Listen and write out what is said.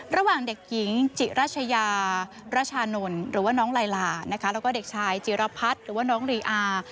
ระหว่างเด็กหญิงจิรัชยารัชานนท์หรือว่าน้องลายลานะคะแล้วก็เด็กชายจิรพัฒน์หรือว่าน้องรีอา